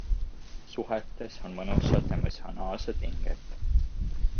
Suhetes on mõnusat emotsionaalset pinget.